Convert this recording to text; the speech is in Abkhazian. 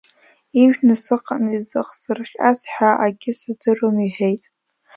Ижәны сыҟан, изыхсырҟьаз ҳәа акгьы сыздыруам, иҳәеит.